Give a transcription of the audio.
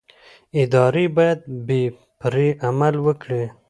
ادارې باید بې پرې عمل وکړي